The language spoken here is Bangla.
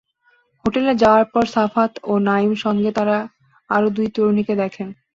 হোটেলে যাওয়ার পর শাফাত ও নাঈমের সঙ্গে তাঁরা আরও দুই তরুণীকে দেখেন।